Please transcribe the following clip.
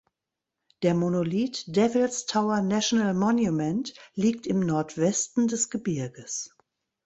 Der Monolith Devils Tower National Monument liegt im Nordwesten des Gebirges.